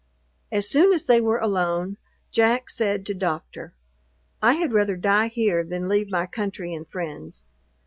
As soon as they were alone, Jack said to Doctor, "I had rather die here, than leave my country and friends!